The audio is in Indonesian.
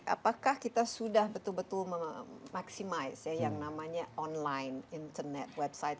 apakah kita sudah betul betul memaksimaisi yang namanya online internet website